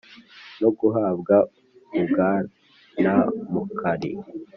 no guhabwa u bwanamukari